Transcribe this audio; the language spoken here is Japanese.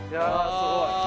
すごい！